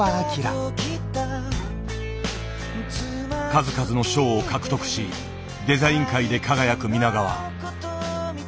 数々の賞を獲得しデザイン界で輝く皆川。